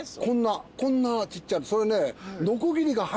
こんなちっちゃなそれね。